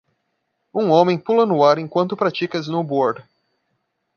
Um homem pula no ar enquanto pratica snowboard.